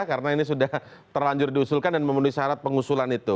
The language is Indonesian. karena ini sudah terlanjur diusulkan dan memenuhi syarat pengusulan itu